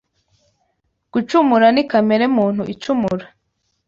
gucumura ni kamere muntu icumura,